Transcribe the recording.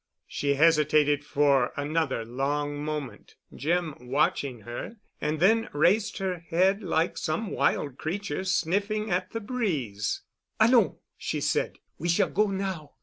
She hesitated for another long moment, Jim watching her, and then raised her head like some wild creature sniffing at the breeze. "Allons!" she said. "We shall go now."